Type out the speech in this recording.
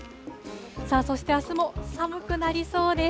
そして、あすも寒くなりそうです。